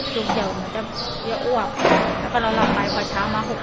เจ็บเดี๋ยวมันก็แล้วอ้วกแล้วก็เรารอไหลกว่าเช้ามาหกนึง